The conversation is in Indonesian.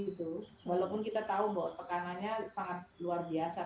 saya lebih tenang gitu walaupun kita tahu bahwa tekanannya sangat luar biasa